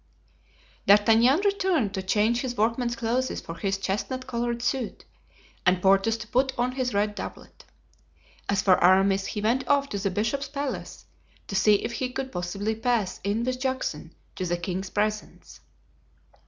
D'Artagnan returned to change his workman's clothes for his chestnut colored suit, and Porthos to put on his red doublet. As for Aramis, he went off to the bishop's palace to see if he could possibly pass in with Juxon to the king's presence.